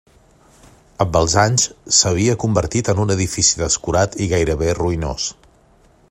Amb els anys s'havia convertit en un edifici descurat i gairebé ruïnós.